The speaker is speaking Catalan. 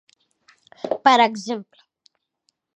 Per exemple: